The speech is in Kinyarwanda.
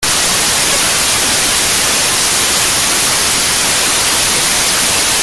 Umutekano wabo n’uko bakwitanga ku bushake bagasaba imbabazi.”